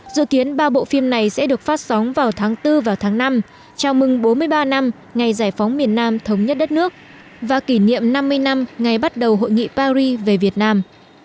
dự kiến ba bộ phim này sẽ được phát sóng vào tháng bốn và tháng năm chào mừng bốn mươi ba năm ngày giải phóng miền nam thống nhất đất nước và kỷ niệm năm mươi năm ngày bắt đầu hội nghị paris về việt nam